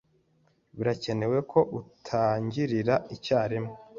Birakenewe ko utangirira icyarimwe.